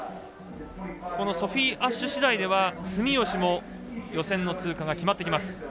ソフィー・アッシュ次第では住吉も予選の通過が決まってきます。